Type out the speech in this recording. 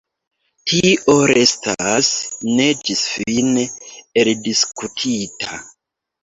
Tio restas ne ĝisfine eldiskutita.